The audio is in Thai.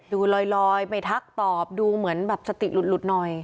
ดูลอยไม่ทักตอบดูเหมือนแบบสติหลุดหน่อย